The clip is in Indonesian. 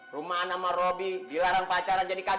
romana sama robby dilarang pacaran jadi kakaknya